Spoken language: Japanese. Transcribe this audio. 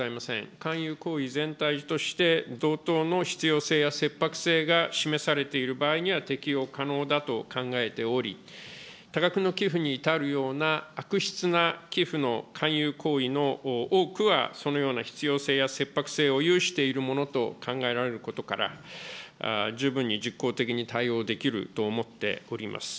勧誘行為全体として、同等の必要性や切迫性が示されている場合には適用可能だと考えており、多額の寄付に至るような悪質な寄付の勧誘行為の多くは、そのような必要性や切迫性を有しているものと考えられることから、十分に実効的に対応できると思っております。